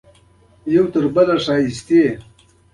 بوټونه د پښو بوی بندوي.